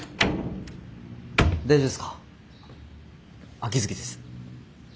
秋月です。